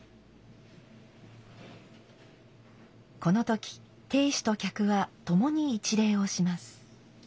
この時亭主と客はともに一礼をします。